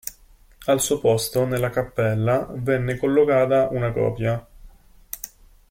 Al suo posto nella cappella venne collocata una copia.